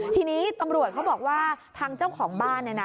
ทีนี้ตำรวจเขาบอกว่าทางเจ้าของบ้านเนี่ยนะ